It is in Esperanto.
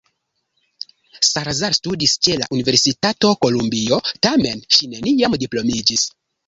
Salazar studis ĉe la Universitato Kolumbio tamen ŝi neniam diplomiĝis.